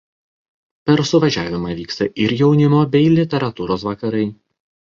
Per suvažiavimą vyksta ir jaunimo bei literatūros vakarai.